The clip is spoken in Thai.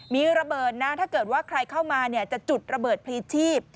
มีระเบิดนะถ้าเกิดว่าใครเข้ามาจะจุดระเบิดพลีชีพ